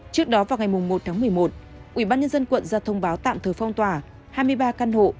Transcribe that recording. trước đó vào ngày một tháng một mươi một ủy ban nhân dân quận ra thông báo tạm thời phong tỏa hai mươi ba căn hộ